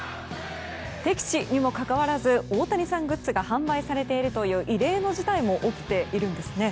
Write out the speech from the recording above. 敵地にもかかわらず大谷さんグッズが販売されているという異例の事態も起きているんです。